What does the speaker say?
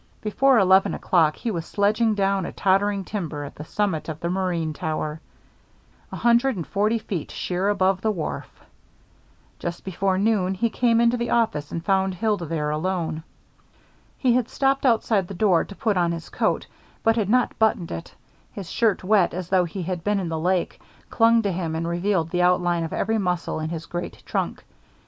Before eleven o'clock he was sledging down a tottering timber at the summit of the marine tower, a hundred and forty feet sheer above the wharf. Just before noon he came into the office and found Hilda there alone. He had stopped outside the door to put on his coat, but had not buttoned it; his shirt, wet as though he had been in the lake, clung to him and revealed the outline of every muscle in his great trunk.